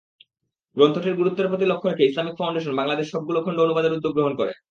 গ্রন্থটির গুরুত্বের প্রতি লক্ষ্য রেখে ইসলামিক ফাউন্ডেশন বাংলাদেশ সবগুলো খণ্ড অনুবাদের উদ্যোগ গ্রহণ করে।